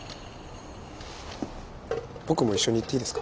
僕も一緒に行っていいですか？